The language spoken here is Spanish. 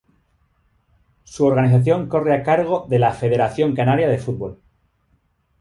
Su organización corre a cargo de la Federación Canaria de Fútbol.